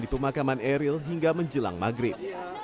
di pemakaman eril hingga menjelang maghrib